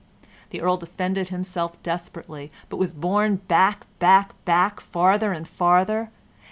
The Earl defended himself desperately, but was borne back, back, back, farther and farther.